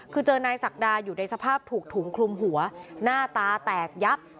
คือเจอนายศักดาอยู่ในสภาพถูกถุงคลุมหัวหน้าตาแตกยับ